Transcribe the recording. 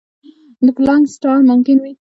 د پلانک سټار ممکن وي.